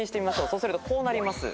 そうするとこうなります。